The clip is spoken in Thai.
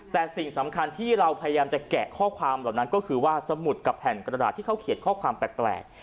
แต่สิ่งสำคัญที่เราพยายามจะแกะข้อความเหล่านั้นก็คือว่าสมุดกับแผ่นกระดาษที่เขาเขียนข้อความแปลก